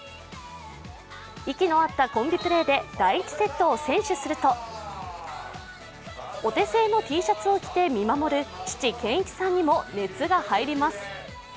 息の合ったコンビプレーで第１セットを先取すると、お手製のＴシャツを着て見守る父・健一さんにも熱が入ります。